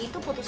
itu putusan mk